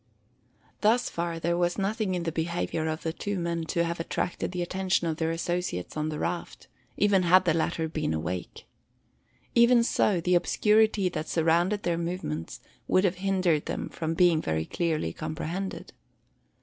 Thus far there was nothing in the behaviour of the two men to have attracted the attention of their associates on the raft, even had the latter been awake. Even so, the obscurity that surrounded their movements would have hindered them from being very clearly comprehended.